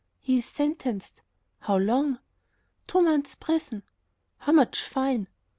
"He is sentenced." "How long?" "Two months' prison." "How much fine?"